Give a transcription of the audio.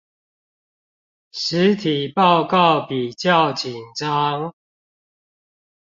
實體報告比較緊張